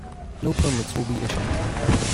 No permits will be issued.